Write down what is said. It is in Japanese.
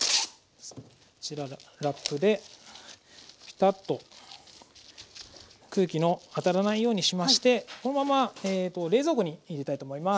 こちらがラップでピタッと空気の当たらないようにしましてこのまま冷蔵庫に入れたいと思います。